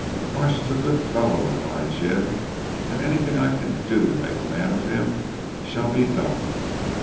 "Marsh is a good fellow," replied Jim, "and anything I can do to make a man of him shall be done.